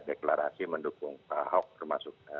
deklarasi mendukung ahok termasuk